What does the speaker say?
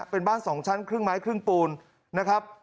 เป็นบ้าน๒ชั้นครึ่งไม้ครึ่งปูนนะครับ